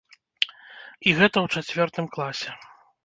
І гэта ў чацвёртым класе.